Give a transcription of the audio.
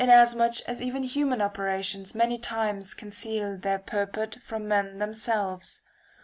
asmuch as even human operations many times conceal their purport from men themselves.